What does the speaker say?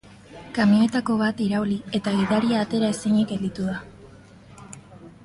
Kamioietako bat irauli eta gidaria atera ezinik gelditu da.